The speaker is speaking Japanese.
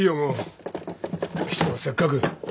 人がせっかく。